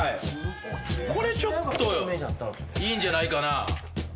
これちょっといいんじゃないかな？